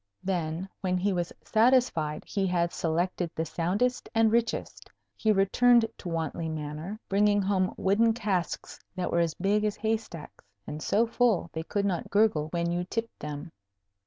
Then, when he was satisfied that he had selected the soundest and richest, he returned to Wantley Manor, bringing home wooden casks that were as big as hay stacks, and so full they could not gurgle when you tipped them.